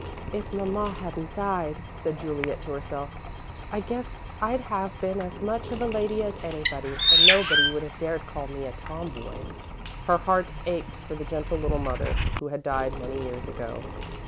"If Mamma hadn't died," said Juliet, to herself, "I guess I'd have been as much of a lady as anybody, and nobody would have dared call me a tomboy." Her heart ached for the gentle little mother who had died many years ago.